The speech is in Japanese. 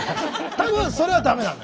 多分それは駄目なの。